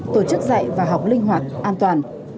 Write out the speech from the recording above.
tổ chức dạy và học linh hoạt an toàn